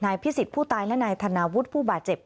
พิสิทธิ์ผู้ตายและนายธนาวุฒิผู้บาดเจ็บ